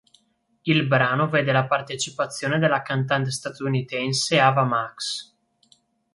Il brano vede la partecipazione della cantante statunitense Ava Max.